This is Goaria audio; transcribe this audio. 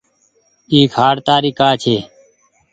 اي کآٽ تآري ڪآ ڇي۔